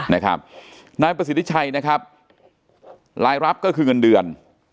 นายประสิทธิชัยนะครับรายรับก็คือเงินเดือน